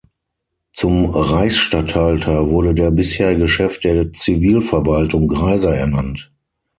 Zum Reichsstatthalter wurde der bisherige Chef der Zivilverwaltung Greiser ernannt.